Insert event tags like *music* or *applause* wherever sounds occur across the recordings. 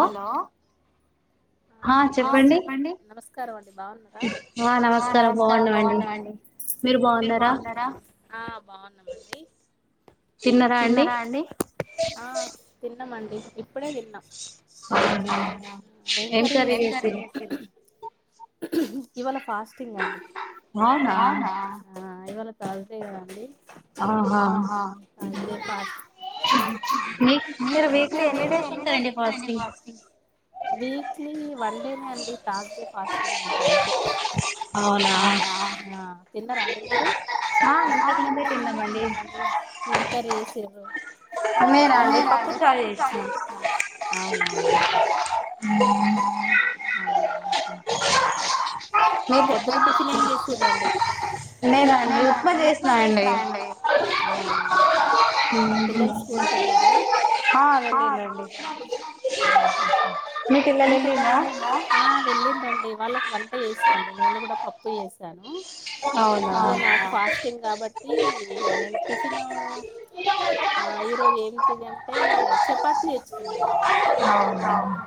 hello ఆ చెప్పండి నమస్కారం అండి బాగున్నారా ఆ నమస్కారం బాగున్నామండి మీరు బాగున్నారా ఆ బాగున్నామండి తీన్నారా అండి ఆ తిన్నామండి ఇప్పుడే తిన్నా ఎం కర్రీ చేసిర్రు ఇవ్వళ ఫాస్టింగ్ అండి అవునా ఆ ఇవాళ తర్స్డడె కదా అండి ఆహా మీరు వీక్లీ ఎన్ని డేస్ ఉంటారండి ఫస్ ఫాస్టింగ్ వీక్లీ క్లి వన్ డే నే అండి తర్స్డడె ఫాస్టింగ్ ఉంటా అంతె అవునా అవునా తిన్నారా అండి మీరు ఆ ఇంతకుముందే తిన్నమండి నినా అండి పప్పు చారు చేసినా అవునా పొద్దున టిఫిన్ ఏం చేసిరండి నేనా అండి ఉక్మ చేసినా అండి పిల్లలు స్కూల్ కేళ్ళారా అ మీకు పిల్లలు వెళ్ళిర్ర ఆ వెళ్ళిలండి వాళ్ళక్ వన్ ప్పు ఏసిన అండి నేను కూడా పప్పు చేసాను అవునా ఇగ నాకు ఫాస్టింగ్ కాబట్టి నేను టిఫిన్ ఈరోోజు ఏంటిది అంటే చపాసి తెచ్చుకున్నానండి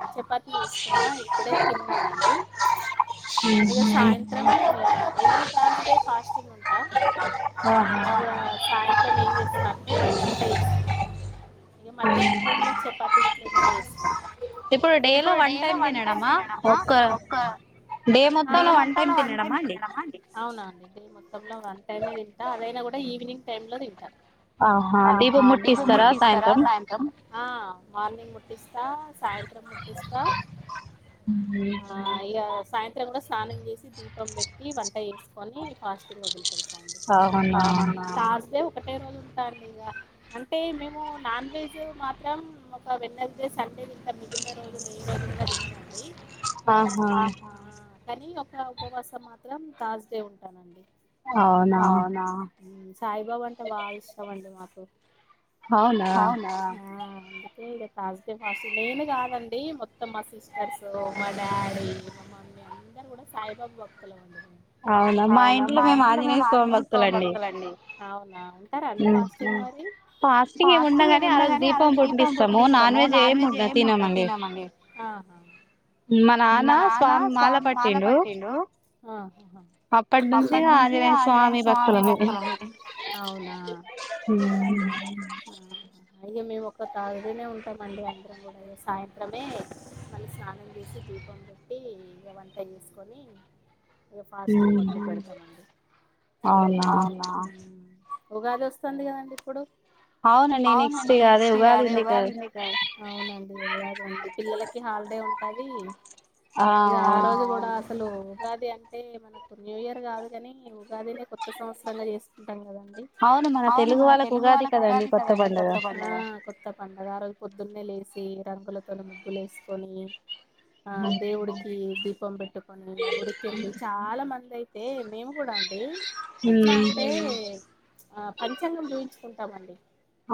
ఆ చపాతి చేసుకున్నా ఇక్కడే తిన్నానండి ఇగ సాయంత్రం ఏమ్ తర్స్ డె ఫాస్టింగ్ ఉంట ఆహా సాయంత్రం ఎం చేస్తా అంటే వంట చేసుకుంటా అండి మధ్యాహ్నం టైమ్ లో చపాతి ట్ల చేసుకుంటా ఇప్పుడు డే లో వన్ టైమ్ తినడమా ఒక ఆ డే మొతంలో వన్ టైమ్ తినడమా అండి అవునా డె మొత్తంలో వన్ టైమ్ ఏ తింటా అదైనా కూడా ఈవినింగ్ టైమ్ ల తింటా ఆహా దీపం ముట్టిస్తస్తారా సాయంత్రం ఆ మార్నింగ్ ము ట్టిస్తా సాయంత్రం ముట్టిస్తా ఆ ఇగ సాయంత్రం కూడా స్నానం చేసి దీపం పెట్టి వంట వేసుకొని ఫాస్టింగ్ వదిలి పెెడుతా అండి అహ తర్స్ డె ఒక్ ఒకట్టే రోజు ఉంటాండి ఇ అంటే మేము నాన్ వెజ్ మాత్రం ఒక వెన్న అదే సండే దకా మిగిలిన రోజులు వెయ్య రోజులుగా దినం అండి ఆహా కానీ ఒక ఉపవాసం మాత్రం తాజ్ డే ఉంటానండి అవునా సాయిబాబు అంటే బాగా ఇష్టం అండి మాకు అవునా అందుకే ఇ త్ర్సడై ఫస్్ నేను కాదండి మొత్తం మా సిస్టర్స్ మా డాడీ మా మమ్మీ అందరు కూడా సాయిబాబు భక్తులం అండి అవునా మా ఇంట్లో మేము ఆంజనేయ స్వామి భక్తుల అండి అవునా ఉంటారా అండి ఫాస్టింగ్ మరి ఫాస్టింగ్ ఏమిండ కాని ఆ రజు దీపం పుట్టిస్త ము నాన్ వెజ్ ఏముంట తినమండి మా నాన్న స్వామి మాల పట్టిండు అప్పటి నుంచి ఆంజనేయ స్వామి భక్తులు అవునా అే మేము ఒక్క టూర్స్డే ఉ అంతమండి అందరం కూడా ఇో సాయంత్రమే మళ్ళీ స్నానం చేసి దీపం పెట్టి ఇక వంట చేసుకొని ఇ ఫాస్టింగ్ మదటి పెడతామండి అవునా ఉగాది వస్తుంది కదండి ఇప్పుడు అవునండి నెక్స్ట్ అదే ఉగాడింద కా అవునండి ఉగాది ఉంది పిల్లలకి హాలిడే ఉంటది ఇ ఆడదు కూడా అసలు ఉగాది అంటే మనకు న్యూ ఇయర్ కాదు కాని ఉగాదిని కొత్త సంవత్సరంగా చేసుకుంటాం కదండి అవును మన తెలుగు వాళ్ళకు ఉగాది కదండి కొత్త బ కొ పండగ రో పొద్దున్నన్న లేసి రంగులతోని ముగ్గులు వేసుకొని ఆ దేవుడుకి దీ సబెట్ గుడికెళ్ళి చాలా మంది అయితే మేము కూడా అ ఎట్లా అంటే ఆ పంచాంగం చూయించుకుంటామండి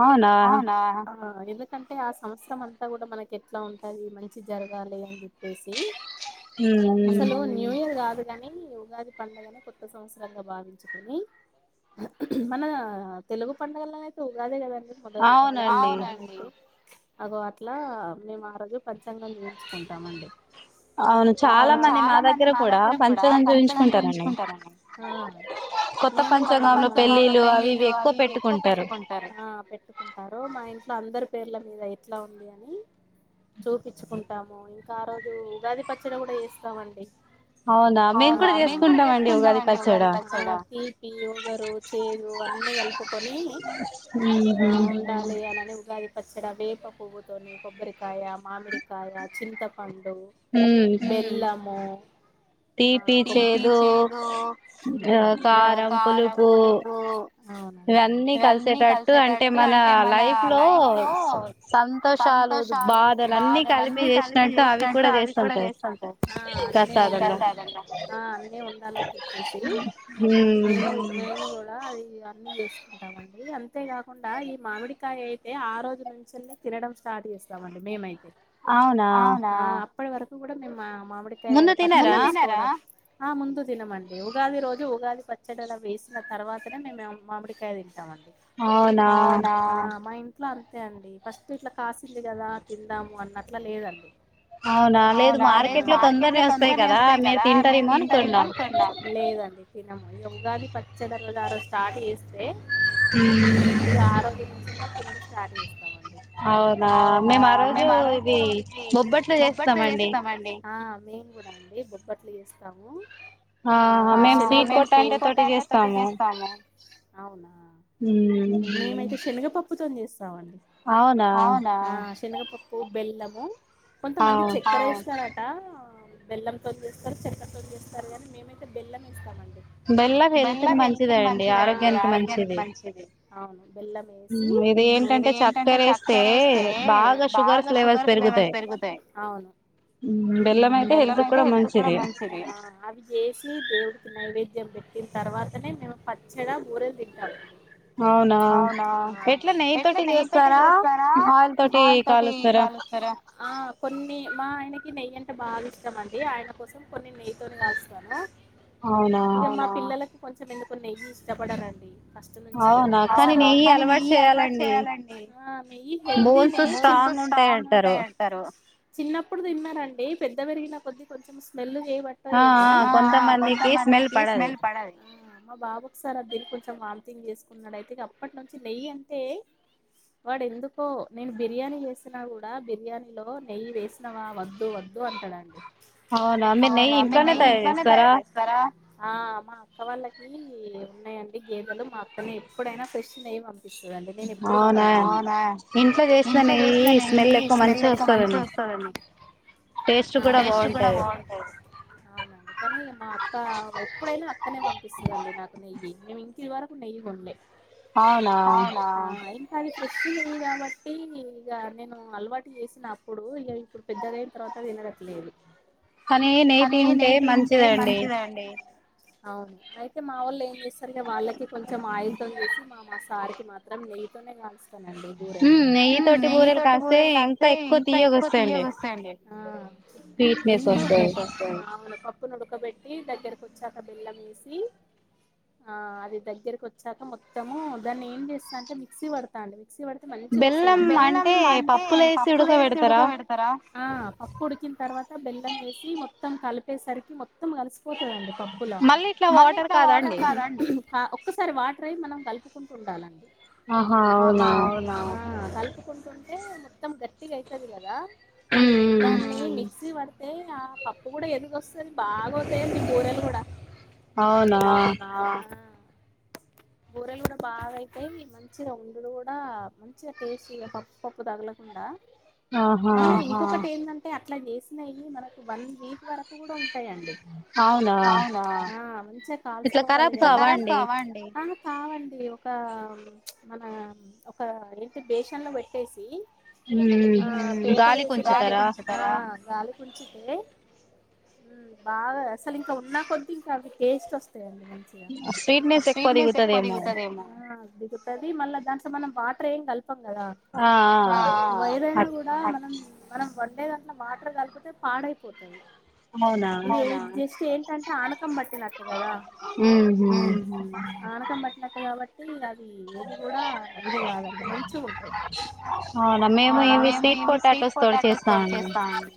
అవునా ఆ ఇవ ఎ అంటే ఆ సంవత్సరం అంతా కూడా మనకి ఎట్లా ఉంటాయి మంచి జరగాలి అని చెప్పేసి అసలు న్యూ ఇయర్ కాని ఉగాది పండుగని కొత్త సంవత్సరంగా భావించుకొని మన తెలుగు పండుగల్లో అయితే ఉగాదే కదండి మొదలి మొదటి *unintelligible* అగో అట్లా మేము ఆ రోజు పంచాంగాలు వేంచుకుంటామ అండి చాలా మంది మా దగ్గర కూడా పంచంగం చూయించుకుంటారండి మేము కూడా పంచంలో పెళ్ళిలు అవి ఇవి ఎక్కువ పెట్టుకుంటారు పెట్టుకుారు ల అందరు పేర్ల మీద ఎట్లా ఉంది అని చూపించుకుంటాము ఇంకా ఆ రోజు ఉగాది పచ్చడి కూడా చేస్తామండి అవునా మేము కూడా చేసుకుంటామ అండి ఉగాది పచ్చడ తీపి ఓగరు చేదు అన్ని కలుపుకొని ఆ ఉండాలి అనిని ఉగాది పచ్చడా వేప పువ్వుతోని కొబ్బరికాయ మామిడికాయ చింతపండు డో బెల్లము తీపి చేదు కారం పులుపు అవి అన్ని కలిసేటట్టు అంటే మన లైఫ్ సంతోషాలు బాధలు అన్ని కలిపి చేసినట్టు అవి కూడా చేస్తుంటయి ప్రసాదంగా ప్రసాదంగా ఆ అన్నే ఉండాలని చెప్పేసి మేం మేము గూడా అది ఇద్ ఏసుకుంటామండి అంతేకాకుండా ఈ మామిడికాయ అయి అయితే ఆ రోజు నుంచినే తినడం స్టార్ట్ చేస్తామండి మేమైతే అవునా ఇప్పటి వరకు కూడా మామిడికాయ పచ్చడి జేసుకోవడం ఆ ముందు తినమండి ఉగాది రోజు ఉగాది పచ్చడిలా వేసిన తర్వాతనే మే మామిడికాయ తింటాం అండి అవునా ట్లో అంతే అండి ఫస్ట్ ఇట్లా కాసింది కదా అని తిందాము అన్నట్లా లేదండి అవునా లేదు మార్కెట్ లో తొందరనే వస్తాయి కదా మీరు తింటారేమో అనుకుండా లేదండి తినము ఉగాది పచ్చదన్నది ఆ రోజు స్టార్ట్ చేస్తే ఇంకా ఆ రోజునుండే తినడు స్టార్ట్ స్తామండి అవునా మేము ఆ రోజు ఇది బొబ్బట్లో చేస్తామండి ఆ మేము కూడా అండి బొబ్ప్పట్లు చేస్తాము ఆ ఆ శెనగపప్పు మేము స్వీట్ పొటాటా తోటి చేస్తాము అవునా హుమ్ ప్పుతోని జేస్ స్తామండి అవునా శెనగప్ ప్పు బెల్లము కొంతమంది చక్కర వేస్తారు బెల్లం తోనీ చేస్తారు చెక్క తొనీ చేస్తారు కాని మేమైతే బెల్లం వేస్త స్టాం బెల్లం హెల్త్ కి మంచిద అండి ఆరోగ్యానికి మంచిది అవును బెల్లం వేసి ఇది ఏంటంటే చక్కర వేస్తే బాగా షుగర్ ఫ్లేవర్స్ పెరుగుతాయి అవును బెల్లం అయితే హెల్త్ కూడా మంచిది అవి చేసి దేవుడికి నైే మం పెట్టిన తర్వాతనే మేము పచ్చగా ఊరెలు తింటామ అండి అవునా ఎట్ల న ఎట్లా నెయ్యి తోటి చస్తారా బా తటి కాలుస్తారా కొ న మా ఆయనకి నెయ్యి అంటే బాగా ఇష్టం అండి ఆయన కోసం కొన్ని నెయ్యితోని కాలుస్తాను ఇక మా పిల్లలకు కొంచెం ఎందుకు నెయ్యి ఇష్టపడరండి అసలు కాని నెయ్యి అలవాటు చేయాలండి నెయ్యి హెల్తీ నే కొ స్ట్రాంగ్ ఉంటాయింటారు చిన్నప్పుడు తిన్నారండి పెద్ద పెరిగిన కొద్ద్దీ కొంచెం స్మెల్ చేయబట్ట ఏమో కొంతమందికి స్మెల్ పడదు మా బాబుకి సార్ అ కొంచెం వార్టింగ్ చేసుకున్నాడు అయితే అప్పటి నుంచి నెయ్యి అంటే వాడు ఎందుకో నేను బిర్యానీ వేసినా కూడా బిర్యానీలో నెయ్యి వేసినవా వద్దు వద్దు అంటాడండి అవున మీరు నెయ్యి ఇంట్లోని తయారు చేస్తారా మా అక్క వాళ్ళకి ఉన్నాయండి గేదెలు మా అక్కను ఎప్పుడైనా ఫ్రెష్ నెయ్యి ఇస్తు అండి నేను ప్పుడు అవునా ఇంట్లో చేసిన నెయ్యి స్మెల్ ఎక్కవ మంచిగా వస్తుందండి టేస్ట్ కూడా బాగుంటాది అవునండి కానీ మా అక్క ఎప్పుడైనా అక్కనే పంపిస్తుందండి నాకు నెయ్యి మేము ఇంటిదివరకు నెయ్యి కొనాలే అవునా ఫ్రెష్ నెయ్యి కాబట్టి ఇక నేను అలవాటు చేసిన అప్పుడు ఇక ఇప్పుడు పెద్దదియిన తర్వాత తినడట్లేదు కానీ నెయ్య తింటే మంచిదండి అవును అయితే మా వాళ్ళు ఏం చేస్తారు వాళ్ళకి కొంచెం ఆయిల్తోం చేసి మా మా సారికి మాత్రం నెయ్యి తోనే అండి బూరెలు నెయ్యి తోటి బూరెలు కాస్తే ఇంకా ఎక్కువ తీయక వస్తాయిండి ప్పు నులకబెట్టి దగ్గరక వచ్చాక బెల్లం వేసి ఆ అది దగ్గరక వచ్చాక మొత్తము దాన్ని ఏం చేస్తా అంటే మిక్సి పడతా అండి ప పెడితే మంచిగా వస్తాయి బెల్లం అంటే పప్పులు వేసి ఉడకబడతారా పప్పు ఉడికిన తర్వాత బెల్లం వేసి మొత్తం కలిపేసరికి మొత్తం కలిసి మళ్ళీ ఇట్లా వాటర్ కాదండి ఒక్కసారి వాట ఫ్రై మనం కలుపుకుంటూ ఉండాలండి ఆహా అవునా మొత్తం గట్టిగా అయితది కదా మొత్తం మిక్సి ప అదే ఆ పప్పు కూడా ఎందుకోస్తది బాగోతాయి మీ కూరలు కూడా అవునా బోరెలు కూడా బాగా అయితాయి మంచి మంచిగా ఉండది కూడా మంచిగా టేస్టీగా పప్పు పప్పు తగలకుండా మళ్ళీ ఇంక్కోటి ఏందంటే అంటే అట్లా చేసినయి మనకు వన్ వీక్ వరకు కూడా ఉ అవునా ఇట్లా కరాబు కావా అండి కావండి ఒక మన ఒక ఏంటి బేషన్ లో పెట్టేసి ఉమ్ గాలి కుంచుతార తే బాగా అసలు ఇంకా ఉన్నా కొద్ది ఇంకా అవి టేస్ట్ వస్తాయండి స్వీట్నెస్ ఎక్కువ దిగుతది ఏమ్మో అది మళ్ళీ దన్స్ప్ అనా వాటర్ ఏం కల్ చెప్పం కదా ఆ వైరైనా కూడా మనం మనం వండే దాంట్లో వాటర్ కలిపితే పాడైపోతది జస్ట్ ఏంటంటే ఆనకం పట్టినట్ట కదా ఆనకం పట్టినట్ట కాబట్టి తీకాది ఇవి కూడా ఇదిగా అ మేము ఏవి స్వీట్ పొటాటోస్ తో చేస్తామండి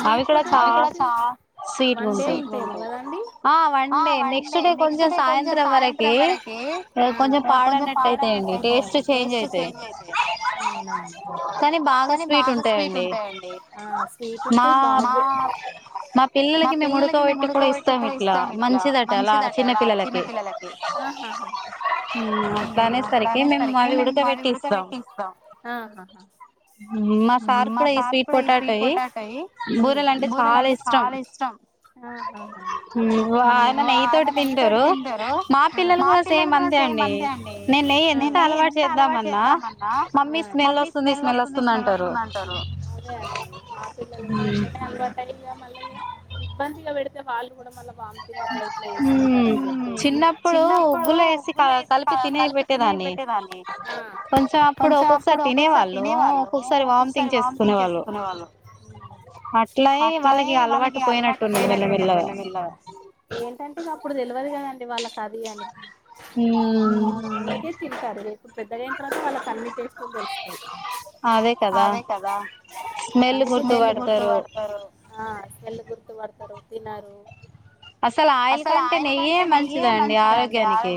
స్వట్ పోటాటో కద వన్డే నెక్స్ట్ డే కొంచం సాయంత్రం వరకి కొంచెం పాడనట్టు అయితాయిడి టేస్ట్ చేంజ్ అవుతాయి అవు కానీ బాగా స్వీట్ ఉంటాయిడి మా మా పిల్లలకి మేము ఉడకోబట్టి కూడా ఇస్తాం ఇట్లా మంచిదిట అలా చిన్న పిల్లలకి ఉమ్ అటానే సరికి మేము మళ్ళి ఉడక పెట్టిస్తాం మా సార్ కూడా ఈ స్వీట్ పొటాట ఉమ్ ఆ ఆ సేమ్ అంతే అండి నేను నేయి ఎంత అలవాటు చేద్దాం అన్నా మమ్మీ స్మెల్ వస్తుంది స్మెల్ వస్తుంది అంటారు అట మల్ల ఇగ ఇబ్బందిగా పెడి వాల్లు కూడా మ వామిటింగ్ అట్లా ఎట్లా చేసుకుంటారు అనేసి చిన్నప్పుడు కలిపి తినే పెట్టేదాన్ని కొంచెం అప్పుడు ఒక్కొక్కసారి తినేవాళ్ళు ఒక్కొక్కసారి వామిటింగ్ చేసుకునే వాళ్ళు అట్లాయి వాళ్ళకి అలవాటు పోయినట్టున్నది మెల్లమెల్లగా ఏంటంటే ఇగ అప్పుడు తెలియదు కదండి వాళ్ళ అది అని అందుకే తింటారు ఇడు పెద్దగాయిన తర్వాత వాళ్ళ కన్ని టెస్ట్లు తెలుస్థాయి అదే కదా అందుకి గద స్మెల్ గుర్తుపడతారు ఆ స్మెల్ గుర్తుపడతారు తిన్నారు అసలు ఆయిల్ కంటే నెయ్యే మంచిదండి ఆరోగ్యానికి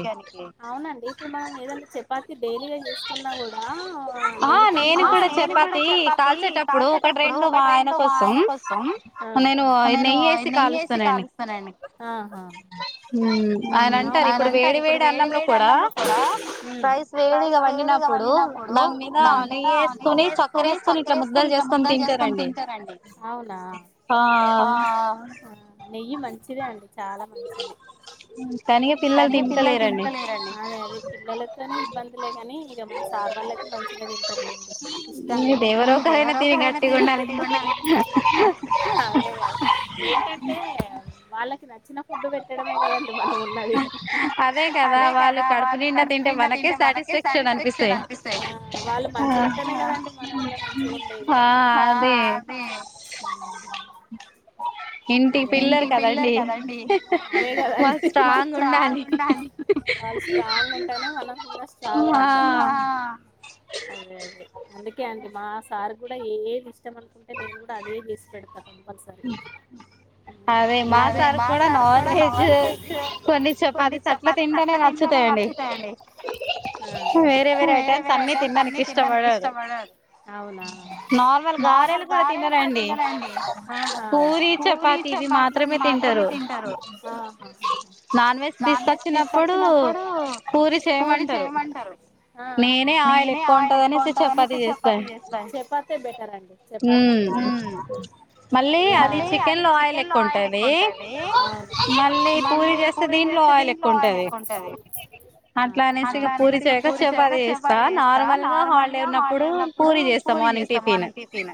అవునండి ఇప్పుడు మనం ఏదనా చపాతిీ డైలీగా చేసుకున్నా కూడా నేయ్య ఆ నేను కూడా చేపతి కాల్చేటప్పుడు ఒకటి రెండు మా ఆయన కోసం నేను నెయ్యిేసి కాలుస్తానండి ఆహా ఆయన అంటారు ఇప్పుడు వేడి వేడి అన్నంలో కూడా రైస్ వేడిగా వండిన కూడా ఆ నెయ్యి వేసుకొని చక్కర వేసుకని ఇలా ముద్దలు చేసుకని తింటారండి అవునా నెయ్యి మంచిదే అండి చాలా మంచిది తనిగా పిల్లలు తింటాలేరండి అద అది పిల్లలతోని ఇబ్బందులే కాని ఇక మన సార్ వాళ్ళయితే మంచిిన దనికట్లు ఇష్టంగా నదేవరోకరైనా దీని కట్టిడానికి అదే ఏంటంటే వాళ్ళకి చి చిిన ఫుడ్ పెట్టడమే కదండి మనం ఉన్నది అదే కదా వాళ్ళు కడుపు నిండా తింటే మనకే సాటిస్ఫాక్షన్ అనిపిస్తాయి మంచి కద మంచి అదే ఇంటి పిల్లర్ కదండి బ స్ట్రాంగ్ ఉండాలి వాళ్ళు స్ట్రాంగ్ ఉంటానే మనం కూడా స్ట్రాంగ్ ఉంటా అదే అదే అందుకే అండి మా సారు కూడా ఏ ఇష్టం అనుకుంటే నేను కూడా అదే బసి పెడతా కంపల్సరీ అదే మాసార్ కూడా నాన్ వెజ్ కొన్ని చపాతి అట్లా తింటనే నచ్చుతాయండి వేరే వేరే అన్ని తినటానికి ఇష్టపడరు అవునా నార్మల్ గారెలు కూడా తినరండి ఆహా చపాతి ఇవి మాత్రమే తింటారు నాన్ వెజ్ తీసుకొచ్చినప్పుడు పూరి చేయమంటారు నేనే ఆయిల్ ఎక్కువ ఉంటందినే చపాతి చేస్తాను చపాతే బెటర్ అండి చపాతే బెటర్ మీ అది ఎక్కువుంటాది మల్లి పూరి పూరి చేస్తే దీంట్లో ఆయిల్ ఎక్కువుంటది అట్లా అనేసి పూరి చేయక చపాతి చేస్తా నార్మల్ గా హాలిడే ఉన్నప్పుడు పూరి చేస్తా మార్నింగ్ టీఫ